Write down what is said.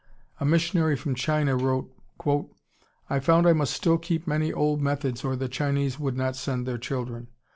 A missionary from China wrote, "I found I must still keep many old methods or the Chinese would not send their children.